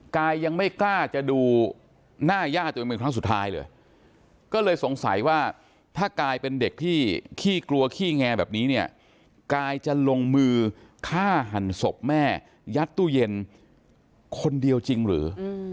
กายยังไม่กล้าจะดูหน้าย่าตัวเองเป็นครั้งสุดท้ายเลยก็เลยสงสัยว่าถ้ากายเป็นเด็กที่ขี้กลัวขี้แงแบบนี้เนี่ยกายจะลงมือฆ่าหันศพแม่ยัดตู้เย็นคนเดียวจริงหรือ